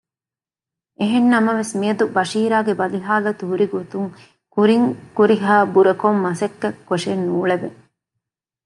އެހެންނަމަވެސް މިއަދު ބަޝީރާގެ ބަލިހާލަތު ހުރިގޮތުން ކުރިން ކުރިހާ ބުރަކޮން މަސައްކަތް ކޮށެއް ނޫޅެވެ